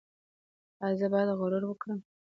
ایا زه باید غرور وکړم؟